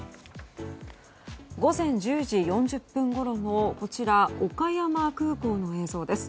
午前１０時４０分ごろの岡山空港の映像です。